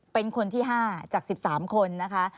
เป็นคนที่๕จาก๑๓คนนะคะ